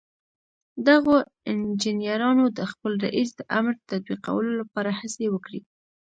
دغو انجنيرانو د خپل رئيس د امر تطبيقولو لپاره هڅې وکړې.